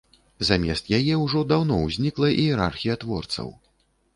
Замест яе ўжо даўно ўзнікла іерархія творцаў.